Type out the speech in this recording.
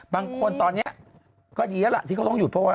บางคนตอนนี้ก็ดีแล้วล่ะที่เขาต้องหยุดเพราะว่า